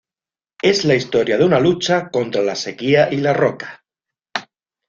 Es la historia de una lucha contra la sequía y la roca".